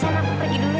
sana aku pergi dulu ya